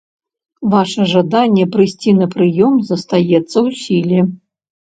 Ваша жаданне прыйсці на прыём застаецца ў сіле.